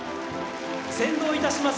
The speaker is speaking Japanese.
先導いたします